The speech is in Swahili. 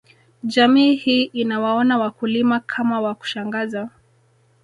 Jamii hii inawaona wakulima kama wa kushangaza